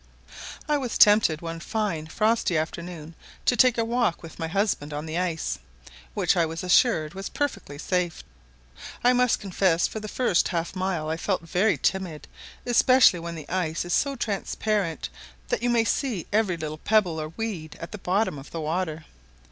I was tempted one fine frosty afternoon to take a walk with my husband on the ice, which I was assured was perfectly safe. I must confess for the first half mile I felt very timid, especially when the ice is so transparent that you may see every little pebble or weed at the bottom of the water.